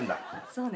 そうね。